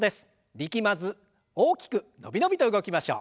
力まず大きく伸び伸びと動きましょう。